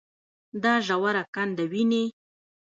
دا ژوره کنده وينې.